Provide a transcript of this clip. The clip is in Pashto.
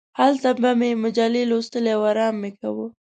هلته به مې مجلې لوستلې او ارام مې کاوه.